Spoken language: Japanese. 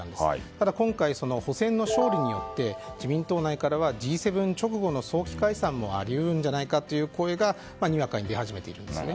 ただ今回、補選の勝利によって自民党内からはＧ７直後の早期解散もあり得るんじゃないかという声がにわかに出始めているんです。